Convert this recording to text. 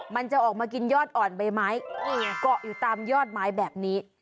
มันจะออกมากินยอดอ่อนใบไม้เกาะอยู่ตามยอดไม้แบบนี้